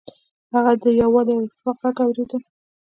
هغه د یووالي او اتفاق غږ اوریده.